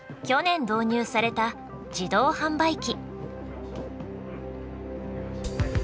去年導入された自動販売機。